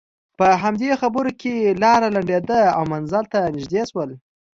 په همدې خبرو کې لاره لنډېده او منزل ته نژدې شول.